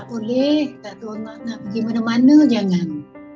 tak boleh tak tahu nak pergi mana mana jangan